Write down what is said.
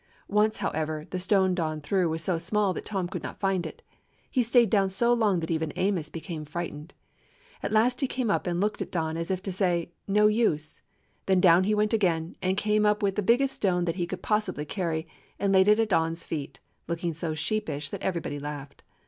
Once, however, the stone Don threw was so small that Tom could not find it. He stayed down so long that even Amos became fright ened. At last he came up and looked at Don, as if to say, "No use." Then down he went again, and came out with the biggest stone that he could possibly carry, and laid it at Don's feet, looking so sheepish that everybody laughed.